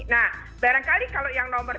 nah barangkali kalau yang nomor